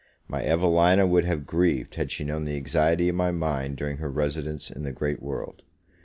My Evelina would have grieved had she known the anxiety of my mind during her residence in the great world.